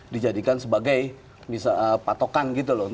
dijadikan sebagai patokan